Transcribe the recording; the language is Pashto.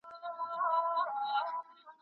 ایا ته غواړې چي په راتلونکي کي هم څېړنه وکړې؟